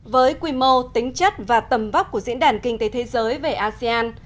với quy mô tính chất và tầm vóc của diễn đàn kinh tế thế giới về asean